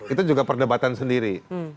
itu juga perdebatan sendiri